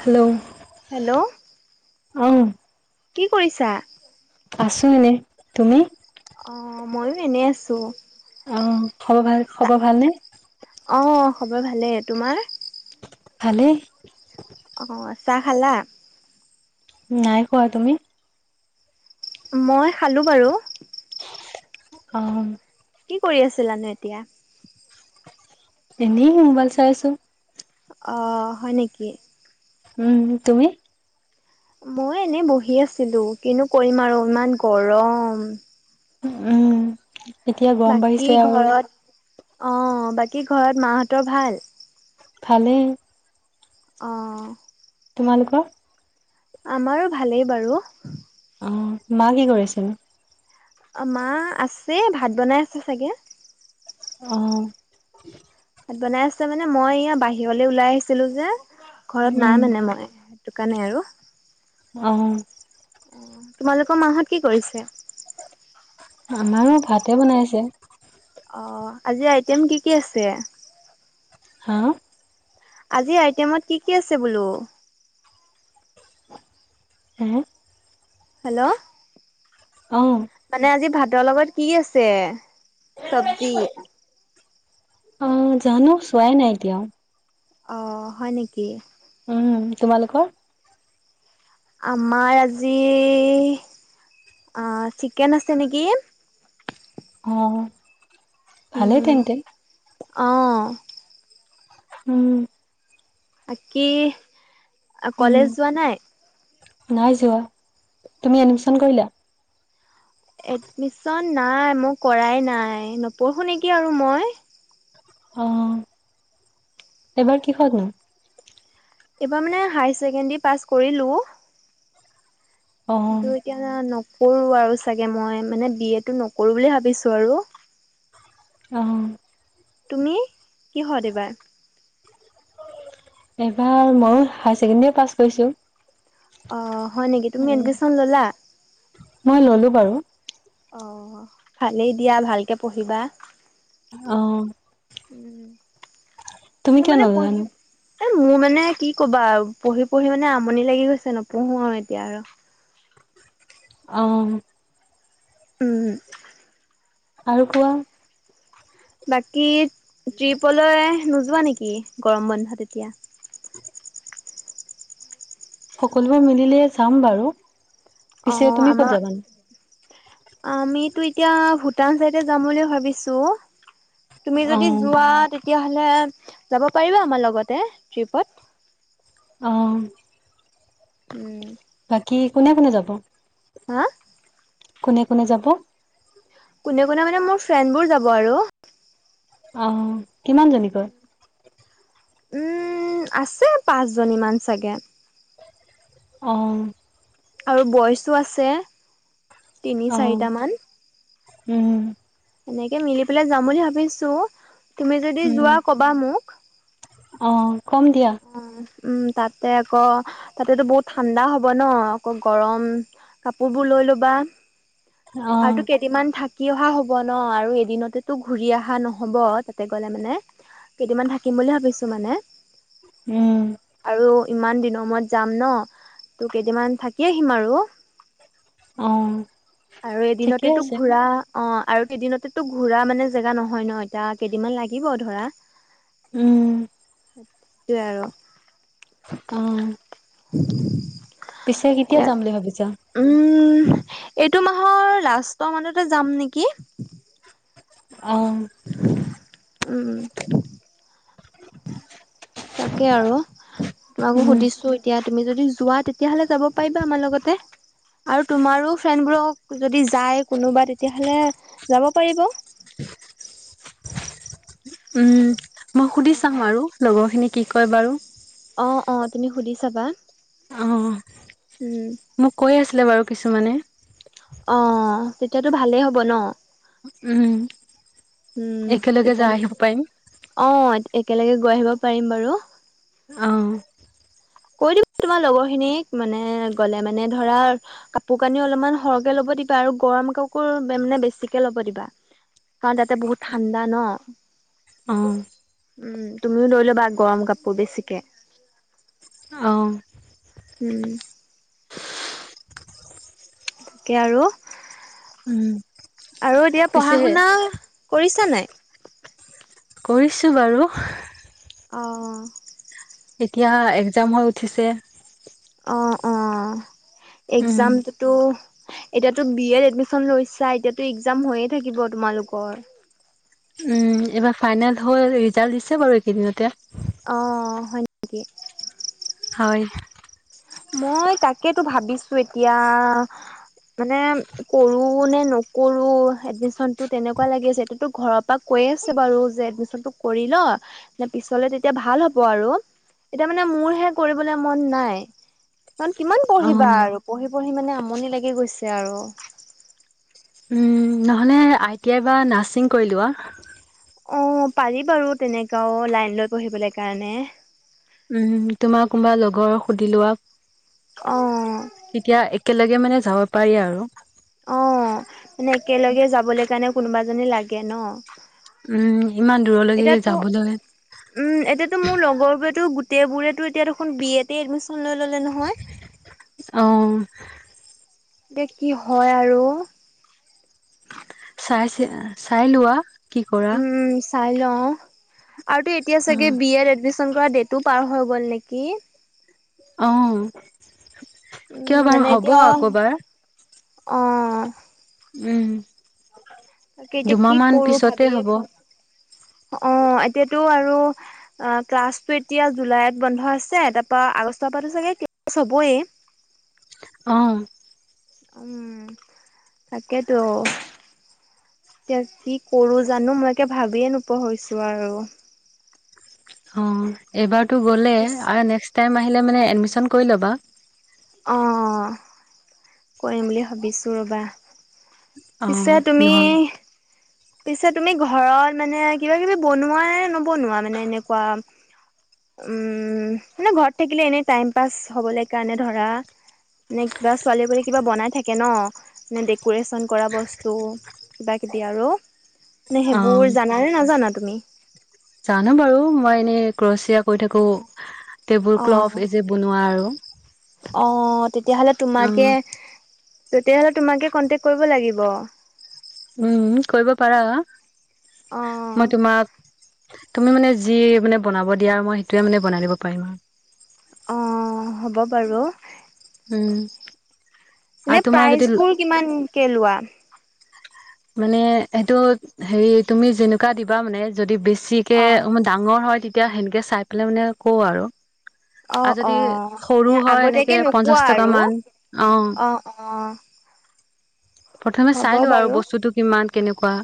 Hello hello অ কি কৰিছা? আছো এনেই, তুমি? অ্ঁ ময়ো এনে আছো। অ খবৰ ভাল খবৰ ভালনে? অ্ঁ খবৰ ভালেই- তোমাৰ? ভালেই। অঁ, চাহ খালা? নাই খুৱা- তুমি? মই খালোঁ বাৰু। অঁ। কি কৰি আছিলানো এতিয়া? এনেই মোবাইল চাই আছো। অ্ হয় নেকি? উম্ তুমি? মই এনেই বহি আছিলো কিনো কৰিম আৰু ইমান গৰম! উম্ এতিয়া গৰম বাঢ়িছে আৰু। অঁ- বাকী ঘৰত মাহঁতৰ ভাল? ভালেই। অ্ঁ। তোমালোকৰ? আমাৰো ভালেই বাৰু। অঁ, মা কি কৰিছেনো? অঁ মা আছে ভাত বনাই আছে চাগে। অঁ ভাত বনাই আছে মানে মই এয়া বাহিৰলে ওলাই আহিছিলো যে, ঘৰত উম নাই মানে মই। টো কাৰণে আৰু। অঁ তোমালোকৰ মাহঁত কি কৰিছে? আমাৰো ভাতে বনাই আছে। অঁ, আজি আইটেম কি কি আছে? হা? আজি আইটেমত কি কি আছে বোলো? হু-হুম? হেল্ল' অঁ মানে আজি ভাতৰ লগত কি আছে- চবজি? অ জা'নো চোৱাই নাই এতিয়াও। অ্ হয় নেকি? উম্, তোমালোকৰ? আমাৰ আজি- আঁ চিকেন আছে নেকি? অঁ উম্- অ্ঁ। উম্ বাকি- উম কলেজ যোৱা নাই? নাই যোৱা। তুমি এডমিশন কৰিলা? এডমিশন নাই মই কৰাই নাই নপঢ়ো নেকি আৰু মই। অ এইবাৰ কিহত নো? এইবাৰ মানে হায়াৰ ছেকেণ্ডেৰী পাছ কৰিলো অ কিন্তু এতিয়া নকৰো আৰু চাগে মই মানে বি এটো নকৰো বুলি ভাবিছো আৰু। অ। তুমি কিহত এইবাৰ? এইবাৰ মইও হায়াৰ ছেকেণ্ডাৰী পাছ কৰিছো। অ হয় নেকি তুমি উম, এডমিশ্যন ল'লা? মই ললো বাৰু। অ ভালেই দিয়া ভালকে পঢ়িবা। অ। উম তুমি মোৰ কিয় মানে নললানো পঢ়িব এ মোৰ মানে কি ক'বা আউ পঢ়ি পঢ়ি মানে আমনি লাগি গৈছে নপঢ়ো আৰু এতিয়া আৰু। অ। উম। আৰু কোৱা। বাকী ট্ৰিপলৈ নোযোৱা নেকি গৰম বন্ধত এতিয়া? সকলোৱে মিলিলে যাম বাৰু। অ পিছে তুমি ক'ত আমাৰ যাবানো আমিতো এতিয়া ভূটান চাইডে যাম বুলি ভাবিছো। তুমি অ যদি যোৱা তেতিয়াহ'লে যাব পাৰিবা আমাৰ লগতে ট্ৰিপত। অ। উম। বাকী কোনে কোনে যাব? হা? কোনে কোনে যাব? কোনে কোনে মানে মোৰ ফ্ৰেণ্ডবোৰ যাব আৰু। অ কিমান জনীকৈ? উম আছে পাঁচজনীমান চাগে। অ। আৰু বইচো আছে তিনি অ চাৰিটামান। উম। এনেকে মিলি পেলাই যাম বুলি ভাবিছো তুমি যদি উম যোৱা কবা মোক। অ কম দিয়া। অ উম তাতে আকৌ তাতেতো বহুত ঠাণ্ডা হ'ব ন আকৌ গৰম কাপোৰ বোৰ লৈ ল'বা অ আৰুতো কে কেইদিনমান থাকি অহা হ'ব ন আৰু এদিনতেতো ঘূৰি অহা নহ'ব তাতে গ'লে মানে। কেইদিনমান থাকিম বুলি ভাবিছো মানে। উম। আৰু ইমান দিনৰ মূৰত যাম ন তো কেইদিনামান থাকি আহিম আৰু। অ। আৰু ঠিকে এদিনতেটো আছে ঘূৰা অ আৰু এদিনতেতো ঘূৰা মানে জেগা নহয় ন এতিয়া কেইদিনমান লাগিব ধৰা। উম। সেইটোৱে আৰু। উম [inaudible] পিছে কেতিয়া এ যাম বুলি ভাবিছা? উম, এইটো মাহৰ লাষ্টৰ মানতে যাম নেকি। অ' উম উম। তাকে আৰু তোমাকো উম সুধিছোঁ এত এতিয়া তুমি যদি যোৱা, তেতিয়াহ'লে যাব পাৰিবা আমাৰ লগতে। আৰু তোমাৰো ফ্ৰেণ্ডবোৰক যদি যায় কোনোবা, তেতিয়াহ'লে যাব পাৰিব। উম, মই সুধি চাম বাৰু লগৰখিনিয়ে কি কয় বাৰু। অ', অ', তুমি সুধি চাবা, অ উম। মোক কৈয়ে আছিলে বাৰু কিছুমানে। অ', তেতিয়াতো ভালেই হ'ব ন? উম, উম, একেলগে তেতিয়া যাই মানে আহিব পাৰিম। অ', একেলগে গৈ আহিব পাৰিম বাৰু। অ'। কৈ দিবা তোমাৰ লগৰখিনিক, মানে গ'লে মানে ধৰা কাপোৰ কানি অলপমান সৰহকে ল'ব দিবা আৰু গৰম কাপোৰ মানে বেছিকে ল'ব দিবা। কাৰণ তাতে বহুত ঠাণ্ডা ন? অ উম, তুমিও লৈ ল'বা গৰম কাপোৰ বেছিকে। অ'। উম। তাকে আৰু উম আৰু এতিয়া পিছে পঢ়া শুনা কৰিছা নাই? কৰিছো বাৰু। অ' এতিয়া এগজাম হৈ উঠিছে। অ', অ', উম একজামটোতো এতিয়াতো বি এত এডমিশ্যন লৈছা, এতিয়াতো এগজাম হৈয়ে থাকিব তোমালোকৰ। উম, এইবাৰ ফাইনেল হ'ল, ৰিজাল্ট দিছে বাৰু এইকেইদিনতে। অ', হয় নেকি? হয়। মই তাকেতো ভাবিছো এতিয়া মানে কৰোঁ নে নকৰোঁ এডমিশ্যন টো তেনেকুৱা লাগি আছে। এতিয়াতো ঘৰৰ পৰা কৈয়ে আছে বাৰু, যে এডমিশ্যনটো কৰি ল মানে পিছলে তেতিয়া ভাল হ'ব আৰু এতিয়া মানে মোৰহে কৰিবলে মন নাই। কাৰণ কিমান অ পঢ়িবা আৰু পঢ়ি-পঢ়ি মানে আমনি লাগি গৈছে আৰু। উম, নহ'লে আই টি আই বা নাৰছিং কৰি লোৱা। অ', পাৰি বাৰু তেনেকেও লাইন লৈ পঢ়িবলৈ কাৰণে। উম, তোমাৰ কোনোবা লগৰক সুধি লোৱা। অ'। তেতিয়া একেলগে মানে যাব পাৰি আৰু। অ', মানে একেলগে যাবলৈ কাৰণে কোনোবা এজনী লাগে ন। উম, ইমান দূৰলৈকে এতিয়াতো যাবলৈ উম, এতিয়াতো মোৰ লগৰবোৰেতো গোটেইবোৰেতো এতিয়া দেখোন বি এতে এডমিশ্যন লৈ ল'লে নহয়। অ এতিয়া কি হয় আৰু চাই চে চাই লোৱা কি কৰা উম চাই লওঁ আৰু এতিয়া চাগে অ', বি এ এডমিচন কৰা ডেটো পাৰ হৈ গল নেকি? অ কিয় উম বাৰু হ'ব আকৌবাৰ অঁ উম তাকে এতিয়া দুমাহ কি মান কৰো পিছতে হ'ব ভাবিয়ে অ এতিয়াতো আৰু অ ক্লাছতটো এতিয়া জুলাইত বন্ধ আছে তাৰ পৰা আগষ্টৰ পৰা চাগে ক্লাছ হ'বয়ে অ উম তাকেতো এতিয়া কি কৰো জানো মই একে ভাবিয়ে নোপোৱা হৈছো আৰু। অ এইবাৰ টো গলেই পিছ আৰু নেক্স টাইম আহিলে মানে এদমিচন কৰি ল'বা‌। অঁ কৰিম বুলি ভাবিছোঁ ৰ'বা। পিছে অ', তুমি নহয় পিছে তুমি ঘৰত মানে কিবা কিবি বনোৱা নবনোৱা মানে এনেকুৱা উম মানে ঘৰত থাকিলে এনেই টাইম পাছ হবলে কাৰণে ধৰা, মানে কিবা ছোৱালী বুলি কিবা বনাই থাকে ন মানে ডেক'ৰেশ্যন, কৰা বস্তু কিবা কিবি আৰু মানে অ', সেইবোৰ জানানে নাজানা তুমি? জানো বাৰু মই এনেই ক্ৰচে ক ৰি থাকো, টেবুল ক্লথ এই যে বনোৱা আৰু, অঁ, তেতিয়াহলে তোমাকে, অ', তেতিয়াহলে তোমাকে কনটেক কৰিব লাগিব উম কৰিব পাৰা মই তোমাক তুমি মানে যি মানে বনাব দিয়া মই সেইটোৱে মানে বনাই দিব পাৰিম আৰু অঁ হ'ব বাৰু উম আৰু এনে তোমাৰ যদি প্ৰাইজ বোৰ কিমান কে লোৱা! মানে সেইটো হেৰি তুমি যেনেকুৱা দিবা মানে যদি বেছিকে, অ ডাঙৰ হয় তেতিয়া সেনেকে চাই পেলাই মানে কওঁ আৰু, অ আৰু অ যদি মানে সৰু হয় আগতীয়াকে এনেকে পঞ্চাশ টকা মান অঁ, অঁ প্ৰথমে চাই লোৱা আৰু বস্তুটো কিমান কেনেকুৱা,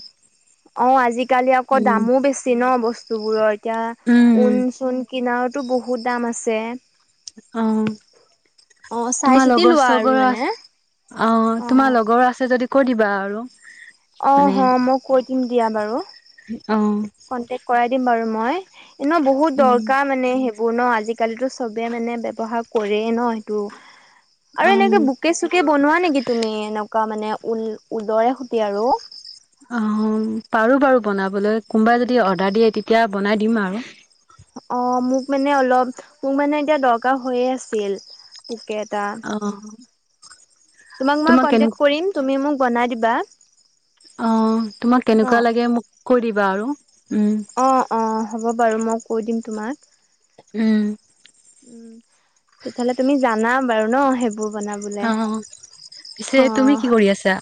অঁ, আজিকালি আকৌ উম দামো বেছি ন বস্তুবোৰৰ এতিয়া উম ঊন চুন, কিনাৰতো বহুত দাম আছে, অঁ, অ চাই তোমাৰ চিতি লগৰ লোৱা আৰু চগৰ আ মানে অঁ অ তোমাৰ লগৰ আছে যদি, কৈ' দিবা আৰু, অঁ, হ মই কৈ দিম দিয়া বাৰু? অঁ, কন্টেক কৰাই দিম বাৰু মই এনে বহুত উম দৰকাৰ মানে সে, ন আজিকালিতো চবে মানে ব্যৱহাৰ কৰেই ন সেইটো অ আৰু এনেকে বু বোকে চোকে বনোৱা নেকি তুমি এনেকুৱা মানে ঊল ঊলৰে সতি‌‌ আৰু, অঁ, পাৰো বাৰু বনাবলৈ কোনবাই যদি অৰ্ডাৰ দিয়ে তেতিয়া বনাই দিম আৰু, অঁ, মোক মানে অলপ মোৰ মানে এতিয়া দৰকাৰ হৈয়ে আছিল বুকেট, অ তোমাক মই কন্টেক কৰিম তুমি মোক বনাই দিবা। অঁ, তোমাক ন কেনেকুৱা লাগে মোক কৈ দিবা আৰু উম! অঁ, অঁ, হ'ব বাৰু মই কৈ দিম তোমাক! উম উম, তেতিয়াহ'লে তুমি জানা বাৰু ন সেইবোৰ, বোৰ অ পিছে বনাবলৈ অ তুমি কি কৰি আছা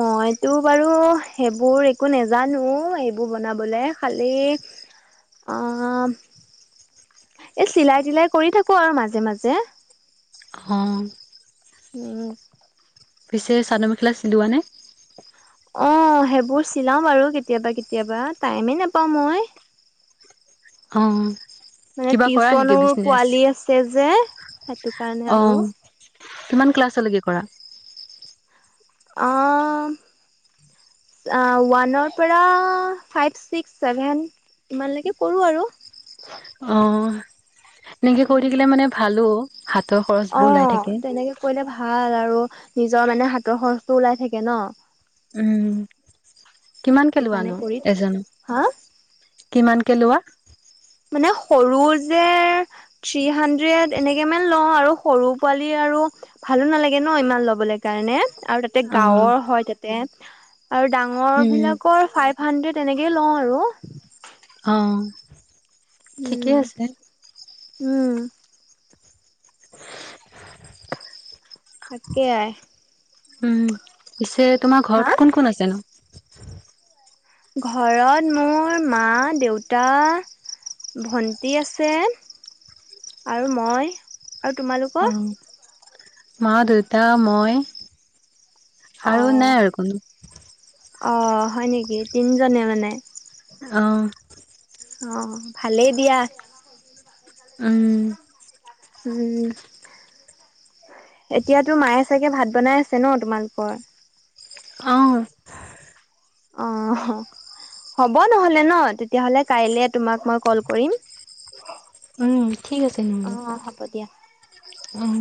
মইতো বাৰু সেইবোৰ একো নাজানো এইবোৰ বনাবলে, খালে, অঁ, এ চিলাই তিলাই কৰি থাকো আৰু মাজে মাজে, অঁ উম পিছে চাদৰ মেখেলা চিলোৱা নে! অঁ, সেইবোৰ চিলাওঁ বাৰু কেতিয়াবা কেতিয়াবা টাইমেই নাপাওঁ মই! অঁ মানে টিউচনৰ পোৱালি আছে যে সেইটো কাৰণে অ আৰু, কিমান ক্লাছলৈকে কৰা? অঁ আঁ, ওৱানৰ পৰা ফাইভ ছিক্স ছেভেন, ইমানলৈকে কৰো আৰু, অঁ, এনেকে কৈ থাকিলে উম মানে ভালো হাতৰ খৰচ, অ তেনেকে কৰিলে ভাল আৰু নিজৰ মানে হাতৰ খৰচটো ওলাই থাকে ন উম কিমানকে সেইটো লোৱা কাৰণে নো কৰি থাক এজনক হা কিমানকে লোৱা মানে সৰু যে থ্ৰী হাণ্ড্ৰেড এনেকে মান লওঁ আৰু সৰু পোৱালি আৰু ভালো নালাগে ন ইমান লবলৈ কাৰণে আৰু তাতে অ গাঁৱৰ হয় তাতে আৰু ডাঙৰ উম বিলাকৰ ফাইভ, হুণ্ডেদ তেনেকে লওঁ আৰু অঁ, ঠিকে উম আছে! উম [inaudible] তাকে আই উম পিছে তোমাৰ হা ঘৰত কোন কোন আছেনো ঘৰত মোৰ মা দেউতা ভন্টি আছে আৰু মই আৰু তোমালোক অ মা দেউতা মই অ আৰু নাই আৰু কোনো অ হয় নেকি তিনজনে মানে অ অ ভালেই দিয়া উম উম এতিয়াতো মায়ে চাগে ভাত বনাই আছে ন তোমালোকৰ অঁ অ হ হ'ব নহলে ন তেতিয়াহলে কাইলে তোমাক মই কল কৰিম উম ঠিক আছে নহ'লে, অ' হ'ব দিয়া। উম